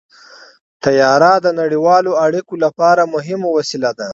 طیاره د نړیوالو اړیکو لپاره مهمه وسیله ده.